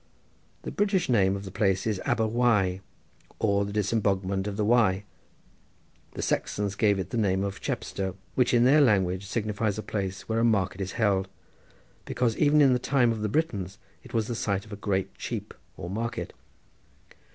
The British name of the place is Aber Wye or the disemboguement of the Wye. The Saxons gave it the name of Chepstow, which in their language signifies a place where a market is held, because even in the time of the Britons it was the site of a great cheap or market.